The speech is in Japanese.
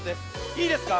いいですか？